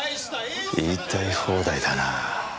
言いたい放題だなぁ。